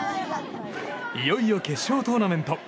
いよいよ決勝トーナメント。